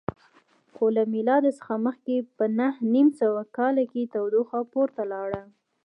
خو له میلاد څخه مخکې په نهه نیم سوه کال کې تودوخه پورته لاړه